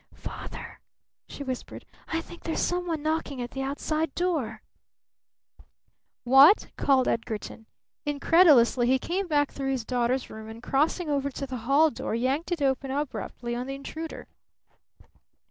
"Father," she whispered, "I think there's some one knocking at the outside door." "What?" called Edgarton. Incredulously he came back through his daughter's room and, crossing over to the hall door, yanked it open abruptly on the intruder.